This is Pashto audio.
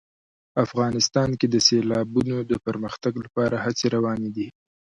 افغانستان کې د سیلابونو د پرمختګ لپاره هڅې روانې دي.